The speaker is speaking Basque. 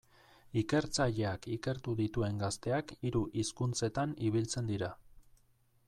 Ikertzaileak ikertu dituen gazteak hiru hizkuntzetan ibiltzen dira.